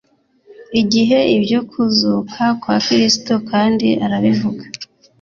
igihe ibyo kuzuka kwa Kristo kandi arabivuga